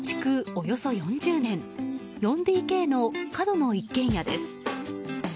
およそ４０年４ＤＫの角の一軒家です。